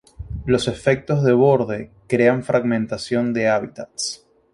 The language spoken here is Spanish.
Los efectos de borde crean fragmentación de hábitats.